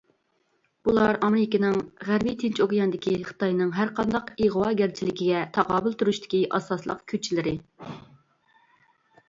بۇلار ئامېرىكىنىڭ غەربىي تىنچ ئوكياندىكى خىتاينىڭ ھەر قانداق ئىغۋاگەرچىلىكىگە تاقابىل تۇرۇشتىكى ئاساسلىق كۈچلىرى.